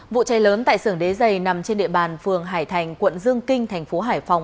vụ cháy lớn tại sưởng đế dày nằm trên địa bàn phường hải thành quận dương kinh thành phố hải phòng